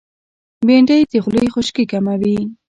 بېنډۍ د خولې خشکي کموي